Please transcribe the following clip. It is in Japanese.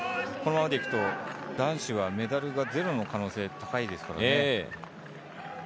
このままでいくと男子はメダルがゼロの可能性高いですからね。